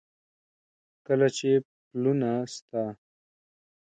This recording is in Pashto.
کله چې پلونه ستا،